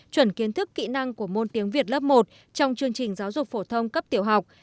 chuẩn kiến thức kỹ năng của môn tiếng việt lớp một trong chương trình giáo dục phổ thông cấp tiểu học